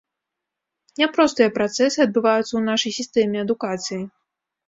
Няпростыя працэсы адбываюцца ў нашай сістэме адукацыі.